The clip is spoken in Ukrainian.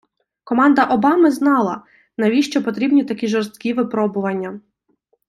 Команда Обами знала, навіщо потрібні такі жорсткі випробування.